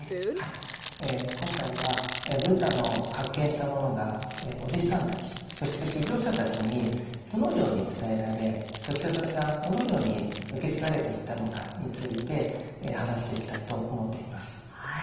今回はブッダの発見したものがお弟子さんたちそして修行者たちにどのように伝えられそしてそれがどのように受け継がれていったのかについて話していきたいと思っています。